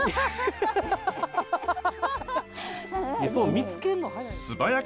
見つけるの早い。